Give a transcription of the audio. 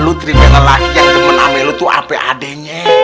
lo terima dengan laki yang jemen ame lo tuh apa adenye